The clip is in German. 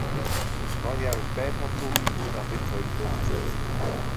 Neun Jahre später zog die Schule nach Windhoek um.